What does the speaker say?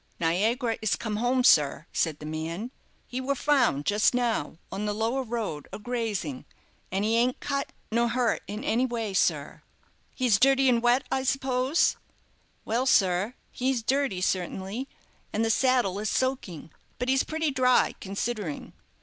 "'Niagara' is come home, sir," said the man. "He were found, just now, on the lower road, a grazing, and he ain't cut, nor hurt in any way, sir." "He's dirty and wet, I suppose?" "Well, sir, he's dirty, certainly; and the saddle is soaking; but he's pretty dry, considering."